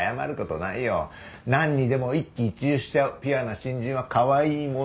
なんにでも一喜一憂しちゃうピュアな新人はかわいいもの！